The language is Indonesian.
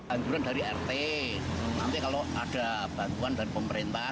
anjuran dari rt nanti kalau ada bantuan dari pemerintah